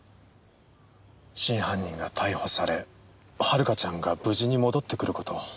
真犯人が逮捕され遥ちゃんが無事に戻ってくる事を。